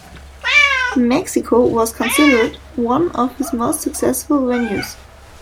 Mexico was considered one of his most successful venues.